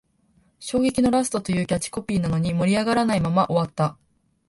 衝撃のラストというキャッチコピーなのに、盛り上がらないまま終わった